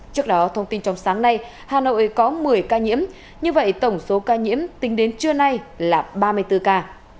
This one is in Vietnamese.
trước đó thông tin trong sáng nay hà nội có một mươi ca nhiễm như vậy tổng số ca nhiễm tính đến trưa nay là ba mươi bốn ca